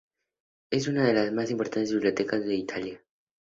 Es una de las más importantes bibliotecas de Italia.